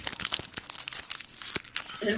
El presidente es el oficial que preside el Folketing.